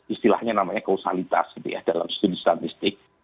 istilahnya namanya kausalitas gitu ya dalam studi statistik